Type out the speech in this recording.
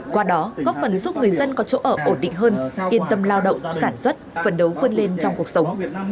qua đó góp phần giúp người dân có chỗ ở ổn định hơn yên tâm lao động sản xuất phần đấu vươn lên trong cuộc sống